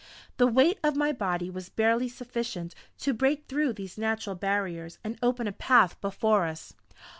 The weight of my body was barely sufficient to break through these natural barriers and open a path before us.